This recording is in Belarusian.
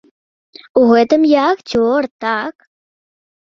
У гэтым я акцёр, так.